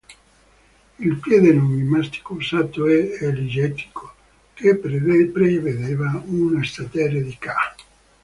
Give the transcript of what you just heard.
Il piede numismatico usato è l'eginetico che prevedeva uno statere di ca.